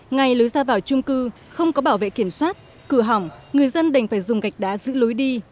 ngay lối ra vào trung cư không có bảo vệ kiểm soát cửa hỏng người dân đành phải dùng gạch đá giữ lối đi